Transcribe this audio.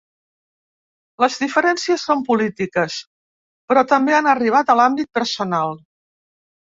Les diferències són polítiques, però també han arribat a l’àmbit personal.